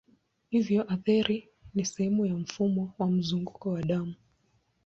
Hivyo ateri ni sehemu ya mfumo wa mzunguko wa damu.